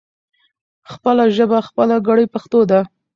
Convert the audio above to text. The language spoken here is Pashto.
خپله ژبه خپله کړې پښتو ده.